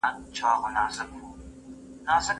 آیا په پښتو لیکل کولای شې؟